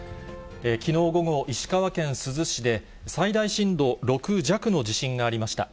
きのう午後、石川県珠洲市で最大震度６弱の地震がありました。